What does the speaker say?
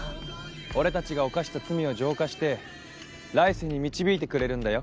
俺たちが犯した罪を浄化して来世に導いてくれるんだよ。